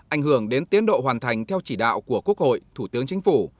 ảnh hưởng đến tiến độ hoàn thành theo chỉ đạo của quốc hội thủ tướng chính phủ